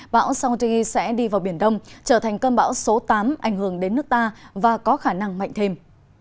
bão saudi sẽ đi vào biển đông trở thành cơn bão số tám ảnh hưởng đến nước ta và có khả năng mạnh thêm